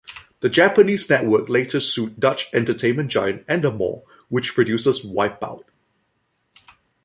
The Japanese network later sued Dutch entertainment giant Endemol, which produces "Wipeout".